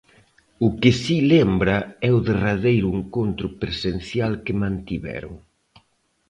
O que si lembra é o derradeiro encontro presencial que mantiveron.